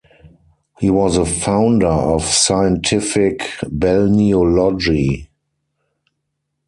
He was a founder of scientific balneology.